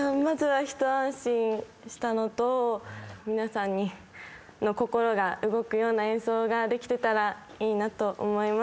まずは一安心したのと皆さんの心が動くような演奏ができてたらいいなと思います。